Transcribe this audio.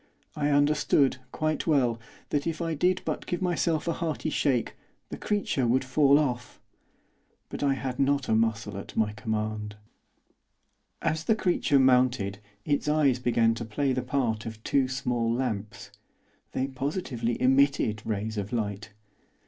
I understood, quite well, that if I did but give myself a hearty shake, the creature would fall off; but I had not a muscle at my command. As the creature mounted its eyes began to play the part of two small lamps; they positively emitted rays of light.